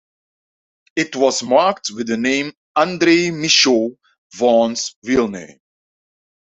It was marked with the name "Andre Micheaux", Vaughn's real name.